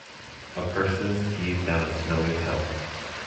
A person skis down a snowy hill.